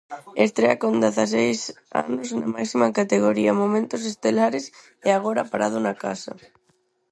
Estrea con dezaseis anos na máxima categoría, momentos estelares e agora parado na casa.